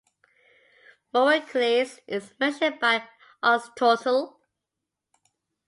Moerocles is mentioned by Aristotle.